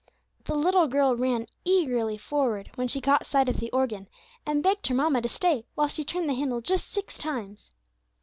The little girl ran eagerly forward when she caught sight of the organ and begged her mamma to stay whilst she turned the handle just six times!